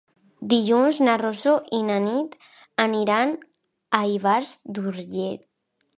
Dilluns na Rosó i na Nit aniran a Ivars d'Urgell.